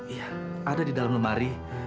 iya ada di dalam lemari